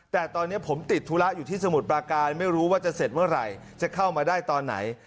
แต่ตอนนี้ผมติดธุระอยู่ที่สมุทรปราการไม่รู้ว่าจะเสร็จเมื่อไหร่จะเข้ามาได้ตอนไหน